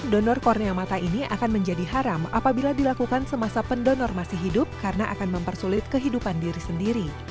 donor kornea mata ini akan menjadi haram apabila dilakukan semasa pendonor masih hidup karena akan mempersulit kehidupan diri sendiri